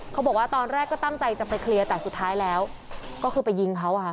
เขาบอกว่าตอนแรกก็ตั้งใจจะไปเคลียร์แต่สุดท้ายแล้วก็คือไปยิงเขาอะค่ะ